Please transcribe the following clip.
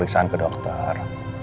pengisian ke dokter